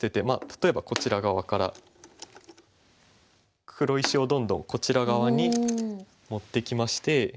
まあ例えばこちら側から黒石をどんどんこちら側に持ってきまして。